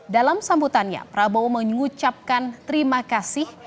dalam sambutannya prabowo mengucapkan terima kasih